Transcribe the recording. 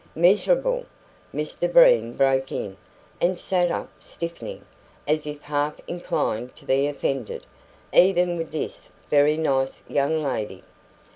"Miserable!" Mr Breen broke in, and sat up, stiffening, as if half inclined to be offended, even with this very nice young lady.